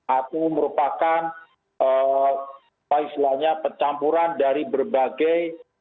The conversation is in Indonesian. atau merupakan pak islanya pencampuran dari berbagai